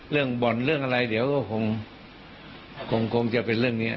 เรื่องบ่อนเรื่องอะไรเดี๋ยวก็คงจะเป็นเรื่องนี้